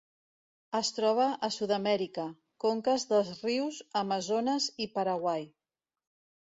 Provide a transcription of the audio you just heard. Es troba a Sud-amèrica: conques dels rius Amazones i Paraguai.